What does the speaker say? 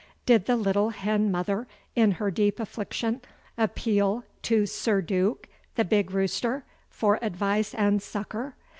Did the little hen mother in her deep affliction appeal to Sir Duke, the big rooster, for advice and succor?